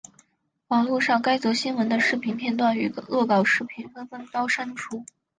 网路上该则新闻的视频片段与恶搞视频纷纷遭删除。